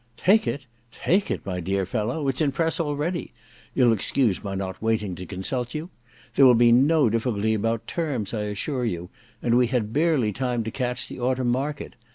* Take it f Take it, my dear fellow ? It's in press already — ^you'll excuse my not waiting to consult you? There will be no difficulty about terms, I assure you, and we had barely time to catch the autumn market.